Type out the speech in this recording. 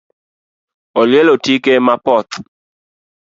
Olielo tike mapoth